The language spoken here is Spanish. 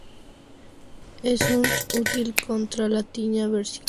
Es más útil contra la tiña versicolor.